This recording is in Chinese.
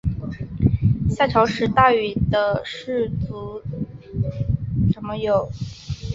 夏朝时大禹的氏族姒姓有一分支斟灌氏曾建立诸侯国。